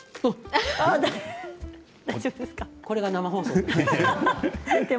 これが生放送。